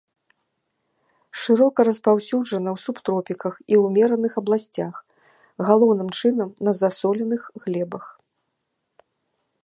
Шырока распаўсюджана ў субтропіках і ўмераных абласцях, галоўным чынам на засоленых глебах.